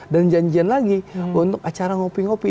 dan janjian lagi untuk acara ngopi ngopi